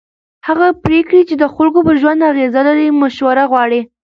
هغه پرېکړې چې د خلکو پر ژوند اغېز لري مشوره غواړي